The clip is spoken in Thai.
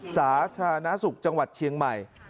สาธารณสุขจังหวัดเชียงใหม่